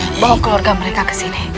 bawa keluarga mereka kesini